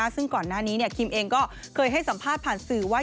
ซึ่งก่อนหน้านี้คิมเองก็เคยให้สัมภาษณ์ผ่านสื่อว่า